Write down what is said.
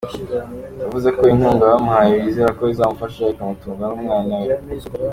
Ntabwo Umunyamabanga Mukuru ari we ukora akazi wenyine kuko agafatanya n’abandi.